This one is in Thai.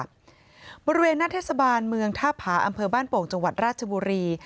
บริเวณหน้าเทศบาลเมืองท่าผาอำเภอบ้านโป่งจังหวัดราชบุรี